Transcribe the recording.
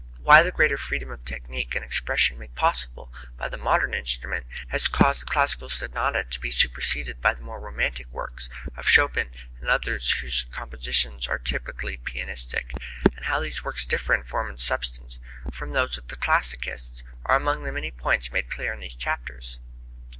Why the greater freedom of technique and expression made possible by the modern instrument has caused the classical sonata to be superseded by the more romantic works of Chopin and others whose compositions are typically pianistic, and how these works differ in form and substance from those of the classicists, are among the many points made clear in these chapters.